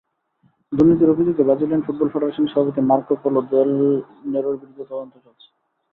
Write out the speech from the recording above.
দুর্নীতির অভিযোগে Brazilian football কনফেডারেশনের সভাপতি মার্কো পোলো দেল নেরোর বিরুদ্ধে তদন্ত চলছে।